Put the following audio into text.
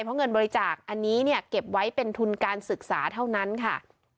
เพราะเงินบริจาคอันนี้เนี่ยเก็บไว้เป็นทุนการศึกษาเท่านั้นค่ะ